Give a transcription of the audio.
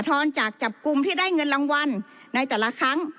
อนจากจับกลุ่มที่ได้เงินรางวัลในแต่ละครั้ง